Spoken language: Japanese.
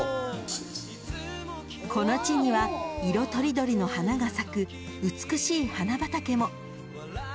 ［この地には色とりどりの花が咲く美しい花畑も］